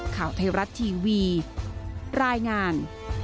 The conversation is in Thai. ข่าวไทยรัฐทีวีรายงาน